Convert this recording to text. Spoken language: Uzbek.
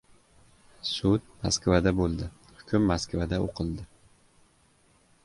Sud Moskvada bo‘ldi. Hukm Moskvada o‘qildi.